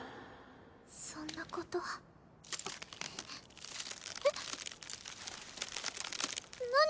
そんなことえっ何？